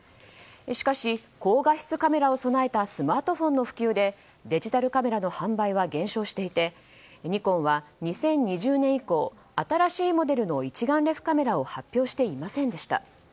しかし、高画質カメラを備えたスマートフォンの普及でデジタルカメラの販売は減少していてニコンは２０２０年以降新しいモデルの一眼レフカメラを発表していませんでした。